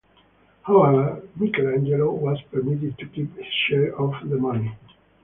However, Michelangelo was permitted to keep his share of the money.